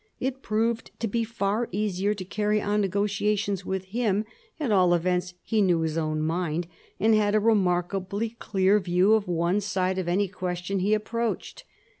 It proved to be far easier to carry on negotiations with him ; at all events he knew his own mind, and had a remarkably clear view of one side of any question he approached.